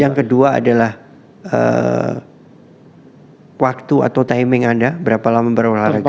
yang kedua adalah waktu atau timing anda berapa lama berolahraga